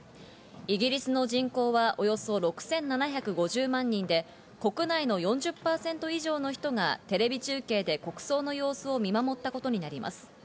イギリスの人口はおよそ６７５０万人で、国内の４０％以上の人がテレビ中継で国葬の様子を見守ったことになります。